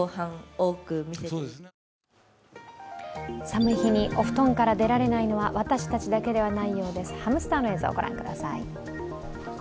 寒い日にお布団から出られないのは私たちだけではないそうです、ハムスターの映像御覧ください。